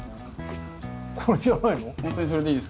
これじゃないの？